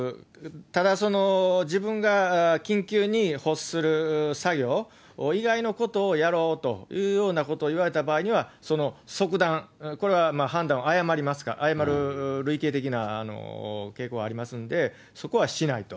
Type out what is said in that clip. ただその自分が緊急に欲する作業以外のことをやろうというようなことを言われた場合には、その即断、これは判断を誤る類型的な傾向ありますんで、そこはしないと。